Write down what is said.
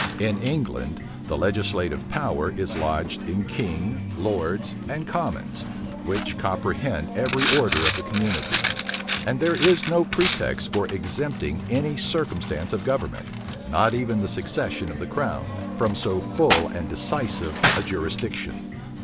In England, the legislative power is lodged in king, lords, and commons, which comprehend every order of the community; and there is no pretext for exempting any circumstance of government, not even the succession of the crown, from so full and decisive a jurisdiction.